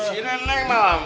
sini neng mah